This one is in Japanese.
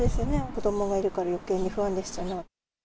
子どもがいるからよけいに不安でしたね。